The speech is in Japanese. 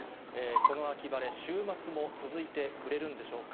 この秋晴れ、週末も続いてくれるんでしょうか。